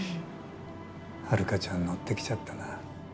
ハルカちゃんのってきちゃったな。